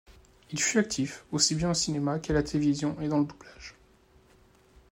Il fut actif aussi bien au cinéma qu'à la télévision et dans le doublage.